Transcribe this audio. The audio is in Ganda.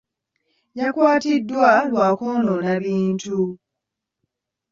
Yakwatiddwa lwa kwonoona bintu.